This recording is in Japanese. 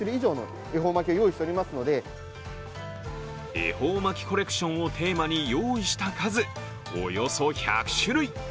恵方巻きコレクションをテーマに用意した数、およそ１００種類。